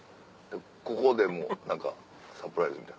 ここでもう何かサプライズみたいな。